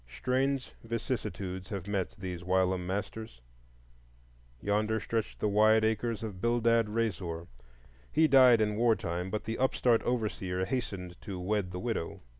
Strange vicissitudes have met these whilom masters. Yonder stretch the wide acres of Bildad Reasor; he died in war time, but the upstart overseer hastened to wed the widow.